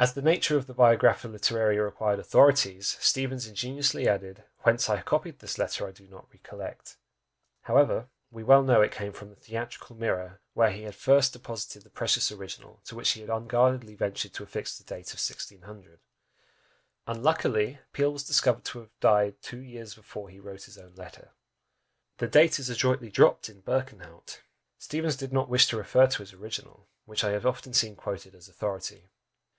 As the nature of the "Biographia Literaria" required authorities, Steevens ingeniously added, "Whence I copied this letter I do not recollect." However, he well knew it came from the "Theatrical Mirror," where he had first deposited the precious original, to which he had unguardedly ventured to affix the date of 1600; unluckily, Peele was discovered to have died two years before he wrote his own letter! The date is adroitly dropped in Berkenhout! Steevens did not wish to refer to his original, which I have often seen quoted as authority.